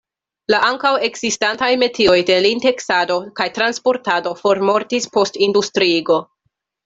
La ankaŭ ekzistantaj metioj de lin-teksado kaj transportado formortis post industriigo.